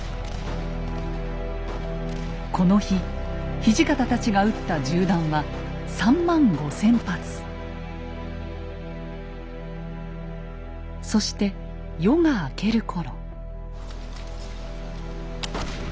この日土方たちが撃った銃弾はそして夜が明ける頃。